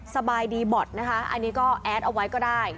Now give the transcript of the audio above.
สบายดีบอดนะคะอันนี้ก็แอดเอาไว้ก็ได้